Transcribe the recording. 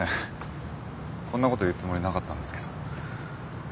こんなこと言うつもりなかったんですけど。